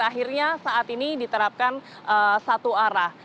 akhirnya saat ini diterapkan satu arah